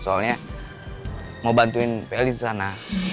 soalnya mau bantuin pelis sana